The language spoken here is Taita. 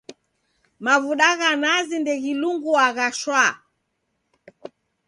Mavuda gha nazi ndeghilunguagha shwaa.